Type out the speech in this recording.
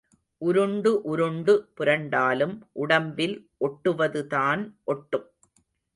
உருண்டு உருண்டு புரண்டாலும் உடம்பில் ஒட்டுவதுதான் ஒட்டும்.